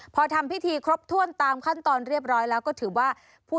พอทำพิธีครบถ้วนตามขั้นตอนเรียบร้อยแล้วก็ถือว่า